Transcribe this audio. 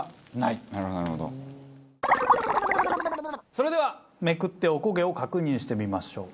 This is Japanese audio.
それではめくっておこげを確認してみましょう。